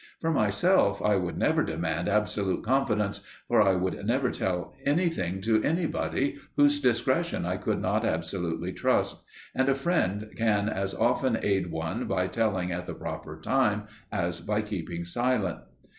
For myself, I would never demand absolute confidence, for I would never tell anything to anybody whose discretion I could not absolutely trust, and a friend can as often aid one by telling at the proper time as by keeping silent.